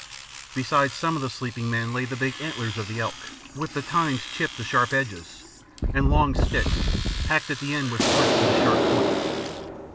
Beside some of the sleeping men lay the big antlers of the elk, with the tines chipped to sharp edges, and long sticks, hacked at the ends with flints into sharp points.